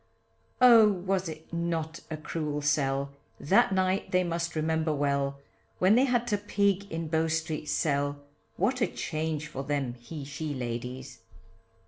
Oh, was it not a cruel sell, That night they must remember well, When they had to pig in Bow Street cell, What a change for them he she ladies.